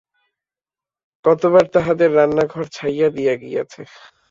কতবার তাঁহাদের রান্নাঘর ছাইয়া দিয়া গিয়াছে।